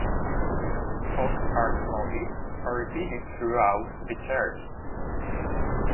Folk art motifs are repeated throughout the church.